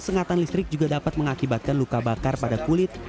sengatan listrik juga dapat mengakibatkan luka bakar pada kulit